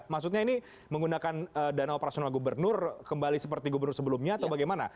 maksudnya ini menggunakan dana operasional gubernur kembali seperti gubernur sebelumnya atau bagaimana